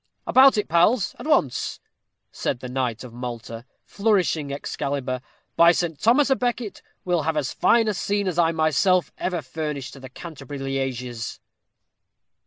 "About it, pals, at once," said the knight of Malta, flourishing Excalibur. "By St. Thomas à Becket, we'll have as fine a scene as I myself ever furnished to the Canterbury lieges."